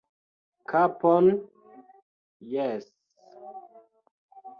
Kapon... jes...